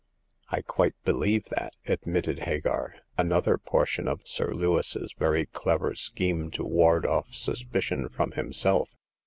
*' I quite believe that," admitted Hagar ;" another portion of Sir Lewis's very clever scheme to ward off suspicion from himself.